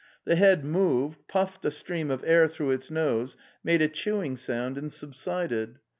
The head moved, puffed a stream of air through its nose, made a chewing sound and subsided.